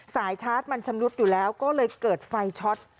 ชาร์จมันชำรุดอยู่แล้วก็เลยเกิดไฟช็อต